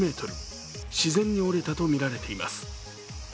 自然に折れたとみられています。